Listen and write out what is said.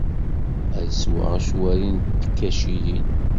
Ad sweɣ acwari n tkaciyin.